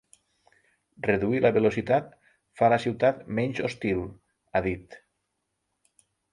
Reduir la velocitat fa la ciutat menys hostil, ha dit.